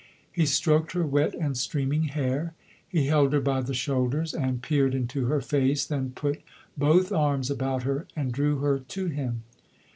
He stroked her wet and streaming hair. He held her by the shoulders and peered into her face, then put both arms about her and drew her to him.